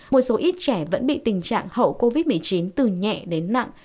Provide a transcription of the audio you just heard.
một số ít trẻ vẫn bị tình trạng hậu covid một mươi chín từ nhẹ đến nặng